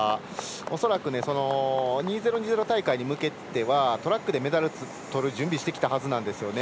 恐らく、２０２０大会に向けてはトラックでメダル取る準備してきたと思うんですよね。